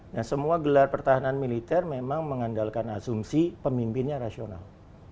nah semua gelar pertahanan militer memang mengandalkan asumsi pemimpinnya rasional